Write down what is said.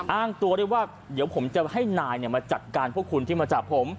อ้างตัวได้ว่าเดี๋ยวผมจะให้นายมาจัดการพวกคุณที่มาจับผม